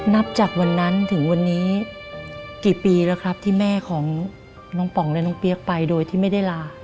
นับจากวันนั้นถึงวันนี้กี่ปีแล้วครับที่แม่ของน้องป๋องและน้องเปี๊ยกไปโดยที่ไม่ได้ลา